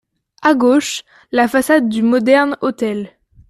A gauche, la façade du Modern-Hôtel.